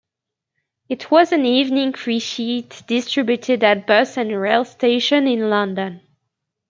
It was an evening freesheet distributed at bus and rail stations in London.